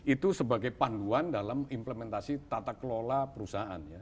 itu sebagai panduan dalam implementasi tata kelola perusahaan ya